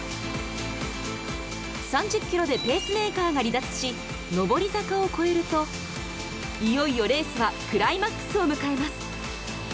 ３０キロでペースメーカーが離脱し上り坂を越えるといよいよレースはクライマックスを迎えます。